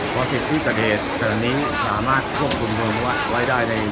โปรดติดตามตอนต่อไป